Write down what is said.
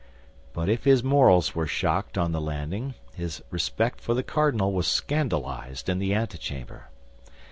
But if his morals were shocked on the landing, his respect for the cardinal was scandalized in the antechamber.